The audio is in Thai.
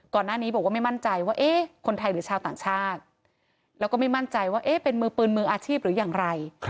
ก่อนหน้านี้บอกว่าไม่มั่นใจว่าเอ๊ะคนไทยหรือชาวต่างชาติแล้วก็ไม่มั่นใจว่าเป็นมือปืนมืออาชีพหรืออย่างไร